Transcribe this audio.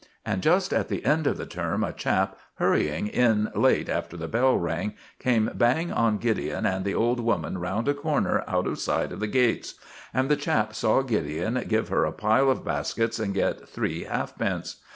And just at the end of the term a chap, hurrying in late after the bell rang, came bang on Gideon and the old woman round a corner out of sight of the gates. And the chap saw Gideon give her a pile of baskets and get three halfpence.